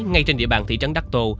ngay trên địa bàn thị trấn đắc tô